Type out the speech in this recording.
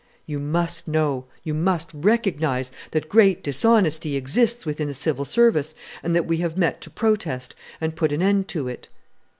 "You must know you must recognize that great dishonesty exists within the Civil Service, and that we have met to protest and put an end to it!"